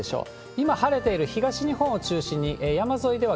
今晴れている東日本を中心に、山沿いでは、